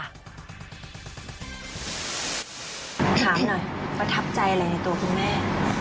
ถามหน่อยประทับใจอะไรในตัวคุณแม่